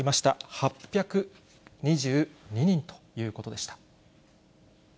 ８２２人ということでした。